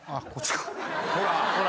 ・ほらほら・